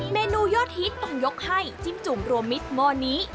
เมนูยอดฮิตต้องยกให้จิ้มจุ่มรวมมิสหม้อนี้